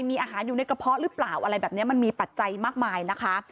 มีอาหารอยู่ในกระเพาะหรือเปล่าอะไรแบบนี้มันมีปัจจัยมากมายนะคะ